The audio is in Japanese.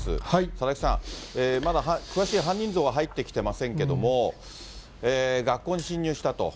佐々木さん、まだ、詳しい犯人像は入ってきてませんけども、学校に侵入したと。